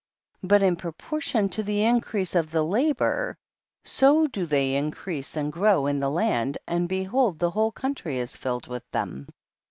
13. But in proportion to the in crease of the labor so do tliey in crease and grow in the land, and be hold the whole country is filled with them.